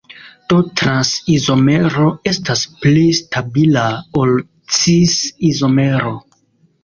Do trans-izomero estas pli stabila ol cis-izomero.